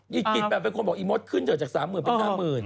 อีกกิจแบบเป็นคนบอกอีมดขึ้นเถอะจาก๓๐๐๐เป็น๕๐๐๐